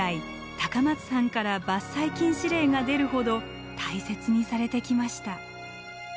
高松藩から伐採禁止令が出るほど大切にされてきました。